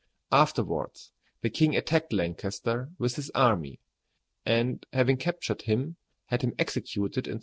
Afterwards the king attacked Lancaster with his army, and having captured him, had him executed in 1322.